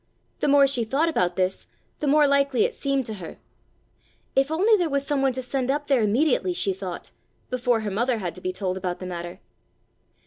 The more she thought about this the more likely it seemed to her. If only there was someone to send up there immediately, she thought, before her mother had to be told about the matter.